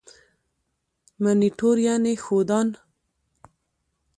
منیټور یعني ښودان.